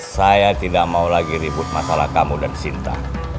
saya tidak mau lagi ribut masalah kamu dan cinta